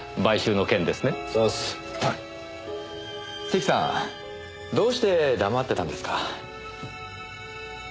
関さんどうして黙ってたんですか？